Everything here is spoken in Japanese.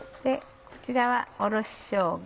こちらはおろししょうが。